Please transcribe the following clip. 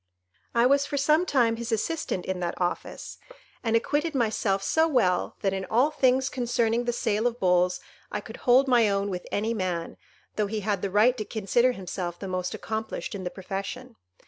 I was for some time his assistant in that office, and acquitted myself so well, that in all things concerning the sale of bulls I could hold my own with any man, though he had the right to consider himself the most accomplished in the profession.